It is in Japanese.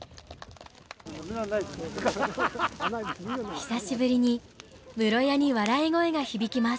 久しぶりに室谷に笑い声が響きます。